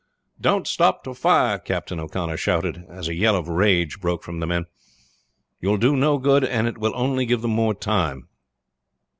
"Don't stop to fire!" Captain O'Connor shouted as a yell of rage broke from the men; "you will do no good, and it will only give them more time."